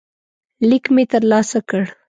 لیک مې ترلاسه کړ.